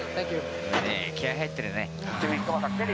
気合入ってるね。